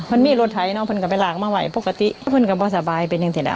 มันมีรถไถเนาะเพื่อนก็ไปหลากมาไหวปกติเพื่อนก็พอสบายเป็นอย่างเสร็จแล้ว